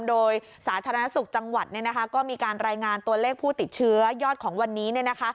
โดยสาธารณสุขจังหวัดก็มีการรายงานตัวเลขผู้ติดเชื้อยอดของวันนี้